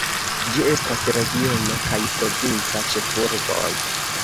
Ĝi estas regiona kaj provinca ĉefurboj.